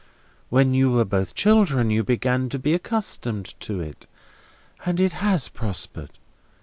When you were both children, you began to be accustomed to it, and it has prospered.